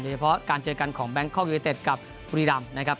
โดยเฉพาะการเจอกันของแบงค์คอล์กยูวิเต็ตกับบุรีรัมป์